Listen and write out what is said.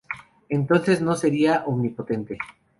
Entonces no sería omnipotente.